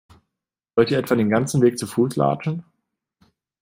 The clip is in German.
Wollt ihr etwa den ganzen Weg zu Fuß latschen?